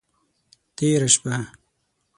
تیره شپه…